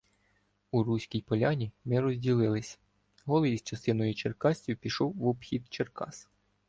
У Руській Поляні ми розділилися: Голий із частиною черкасців пішов в обхід Черкас.